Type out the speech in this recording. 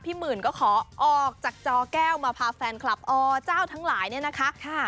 หมื่นก็ขอออกจากจอแก้วมาพาแฟนคลับอเจ้าทั้งหลายเนี่ยนะคะ